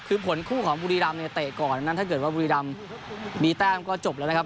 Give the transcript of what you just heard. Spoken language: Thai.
คือผลคู่ของบุรีรำเนี่ยเตะก่อนนั้นถ้าเกิดว่าบุรีรำมีแต้มก็จบแล้วนะครับ